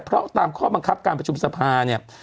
เพราะตามข้อบังคับการประชุมสภาเนี่ย